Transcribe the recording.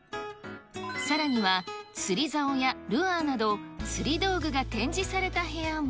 さらには、釣りざおやルアーなど釣り道具が展示された部屋も。